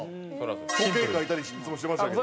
時計描いたりいつもしてましたけど。